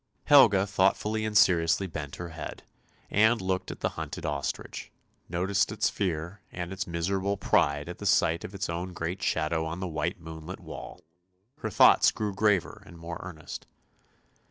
" Helga thoughtfully and seriously bent her head and looked at the hunted ostrich, noticed its fear and its miserable pride at the sight of its own great shadow on the white moonlit wall. Her thoughts grew graver and more earnest.